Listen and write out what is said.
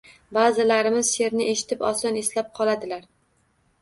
Baʼzilarimiz sheʼrni eshitib oson eslab qoladilar.